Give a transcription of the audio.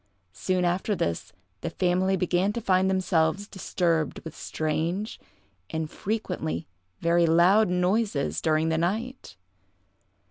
Soon after this, the family began to find themselves disturbed with strange, and frequently very loud, noises during the night.